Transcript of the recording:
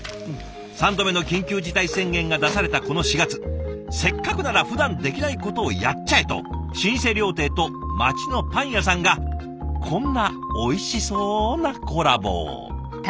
３度目の緊急事態宣言が出されたこの４月「せっかくならふだんできないことをやっちゃえ！」と老舗料亭と町のパン屋さんがこんなおいしそうなコラボを！